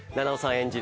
演じる